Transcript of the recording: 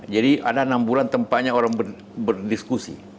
jadi ada enam bulan tempatnya orang berdiskusi